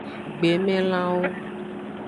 Gbemelanwo.